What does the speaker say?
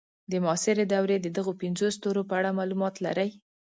د معاصرې دورې د دغو پنځو ستورو په اړه معلومات لرئ.